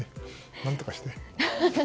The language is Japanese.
何とかして。